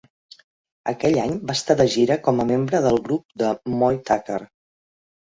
Aquell any va estar de gira com a membre del grup de Moe Tucker.